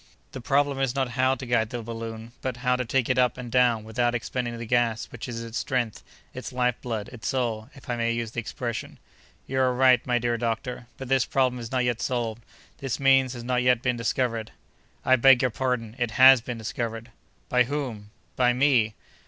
The problem is not how to guide the balloon, but how to take it up and down without expending the gas which is its strength, its life blood, its soul, if I may use the expression." "You are right, my dear doctor; but this problem is not yet solved; this means has not yet been discovered." "I beg your pardon, it has been discovered." "By whom?" "By me!"